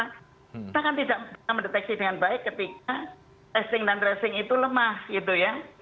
kita kan tidak bisa mendeteksi dengan baik ketika testing dan tracing itu lemah gitu ya